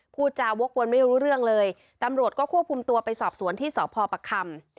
พูดจาวกวนไม่รู้เรื่องเลยตำรวจก็ควบคุมตัวไปสอบสวนที่สพประคำ